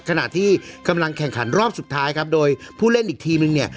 ขณะที่กำลังแข่งขันรอบสุดท้ายครับโดยผู้เล่นอีกทีมนึงเนี่ย